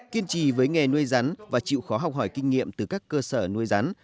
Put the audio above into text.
kiên trì với nghề nuôi rắn và chịu khó học hỏi kinh nghiệm từ các cơ sở nuôi rắn